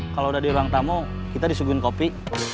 kalau udah di ruang tamu kita disuguhin kopi